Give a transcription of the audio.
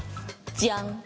じゃん！